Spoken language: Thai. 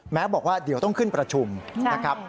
บอกว่าเดี๋ยวต้องขึ้นประชุมนะครับ